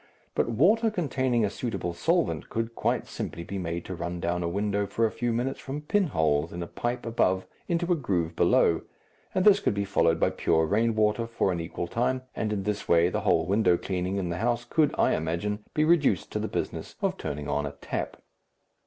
But water containing a suitable solvent could quite simply be made to run down a window for a few minutes from pinholes in a pipe above into a groove below, and this could be followed by pure rain water for an equal time, and in this way the whole window cleaning in the house could, I imagine, be reduced to the business of turning on a tap.